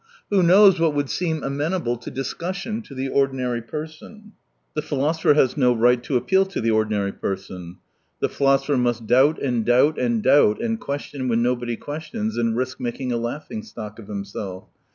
Who knows what would seem amenable to discussion to the ordinary person ? The philosopher has no right to appeal to the ordinary person. The philosopher must doubt and doubt and doubt, and question when nobody questions, and risk making a laughing stock of himself.